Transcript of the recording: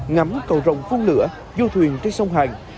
ngắm cầu rồng phun lửa du thuyền trên sông hàn